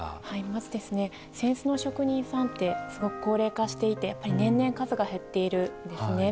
まず、扇子の職人さんってすごく高齢化していて年々数が減っているんですね。